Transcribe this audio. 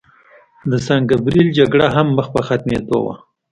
د سان ګبریل جګړه هم مخ په ختمېدو وه.